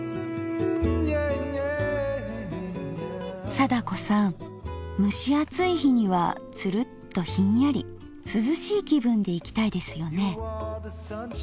貞子さん蒸し暑い日にはツルッとひんやり涼しい気分でいきたいですよね。